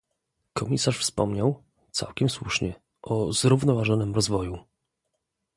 Komisarz wspomniał, całkiem słusznie, o zrównoważonym rozwoju